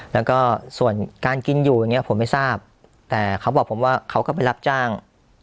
แล้วก็ส่วนการกินอยู่อย่างเงี้ผมไม่ทราบแต่เขาบอกผมว่าเขาก็ไปรับจ้าง